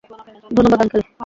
ধন্যবাদ, আঙ্কেল!